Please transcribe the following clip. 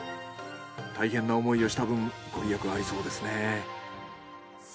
大変な思いをした分ご利益ありそうですね。